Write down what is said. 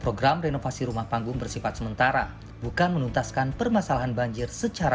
program renovasi rumah panggung bersifat sementara bukan menuntaskan permasalahan banjir secara